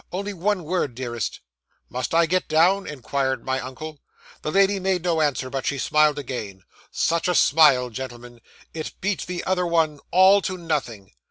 Only one word, dearest." '"Must I get down?" inquired my uncle. The lady made no answer, but she smiled again. Such a smile, gentlemen! It beat the other one, all to nothing.